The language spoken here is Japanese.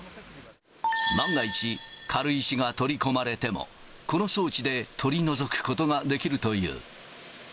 万が一、軽石が取り込まれても、この装置で取り除くことができるという。